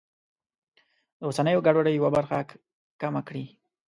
د اوسنیو ګډوډیو یوه برخه کمه کړي.